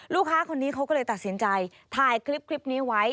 ลูกค้าคนนี้เขาก็เลยตัดสินใจถ่ายคลิปนี้ไว้